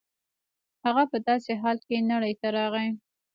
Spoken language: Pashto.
هغه په داسې حال کې نړۍ ته راغی.